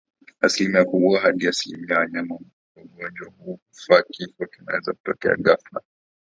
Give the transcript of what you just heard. Asilimia kubwa hadi asilimia ya wanyama wagonjwa hufa Kifo kinaweza kutokea ghafla